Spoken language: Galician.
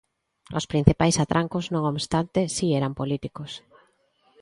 Os principais atrancos, non obstante, si eran políticos.